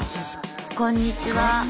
こんにちは。